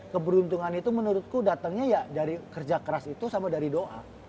keberuntungan itu menurutku datengnya ya dari kerja keras itu sama dari doa